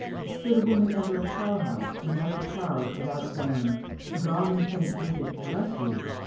Should a woman enter a cow house to milk her cows without saying "God and St. Bridget bless you!"